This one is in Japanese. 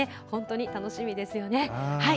本当に楽しみですよね。